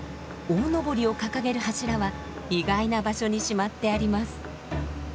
大幟を掲げる柱は意外な場所にしまってあります。